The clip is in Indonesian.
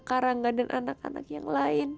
karangan dan anak anak yang lain